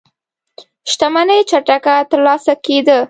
شتمنۍ چټکه ترلاسه کېده.